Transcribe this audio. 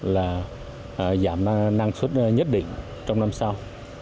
là giảm năng suất nhất định trong năm sau